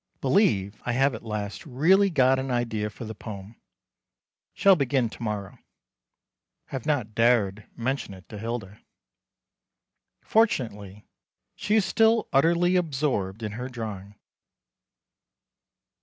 Believe I have at last really got an idea for the poem. Shall begin to morrow. Have not dared mention it to Hilda. Fortunately she is still utterly absorbed in her drawing.